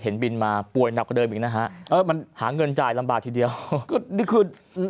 เห็นบินมาปวดเดิมนะมันหาเงินจ่ายลำบากทีเดียวหรือเกิดมัน